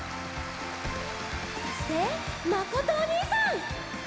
そしてまことおにいさん！